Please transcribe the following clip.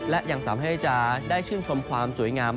และยังสามารถให้จะได้ชื่นชมความสวยงาม